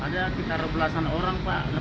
ada sekitar belasan orang pak